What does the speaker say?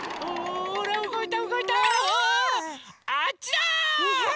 あっちだ！